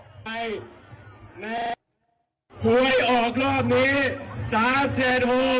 แม้ผวยออกรอบนี้๓๗๖แน่นอน